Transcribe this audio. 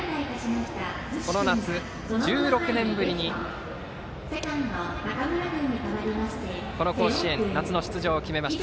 この夏、１６年ぶりに夏の甲子園出場を決めました。